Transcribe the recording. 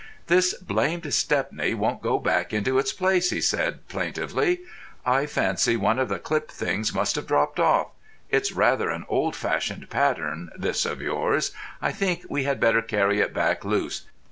"This blamed Stepney won't go back into its place," he said plaintively. "I fancy one of the clip things must have dropped off. It's rather an old fashioned pattern, this of yours. I think we had better carry it back loose.